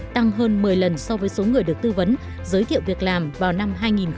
tăng hơn một mươi lần so với số người được tư vấn giới thiệu việc làm vào năm hai nghìn một mươi